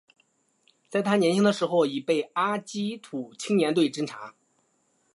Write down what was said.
在他年轻的时候已被阿积士青年队侦察。